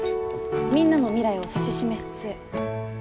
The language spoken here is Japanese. みんなの未来を指し示す杖。